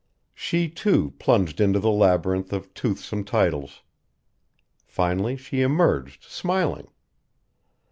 She, too, plunged into the labyrinth of toothsome titles. Finally she emerged smiling.